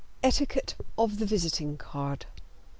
ETIQUETTE OF THE VISITING CARD.